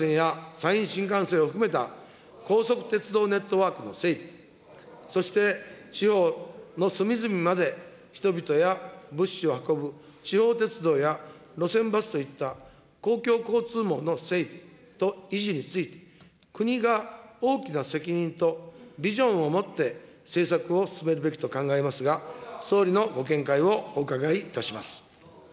新幹線や山陰新幹線を含めた高速鉄道ネットワークの整備、そして地方の隅々まで人々や物資を運ぶ地方鉄道や路線バスといった公共交通網の整備と維持について、国が大きな責任とビジョンを持って政策を進めるべきと考えますが、総理のご見解をお伺いいたします。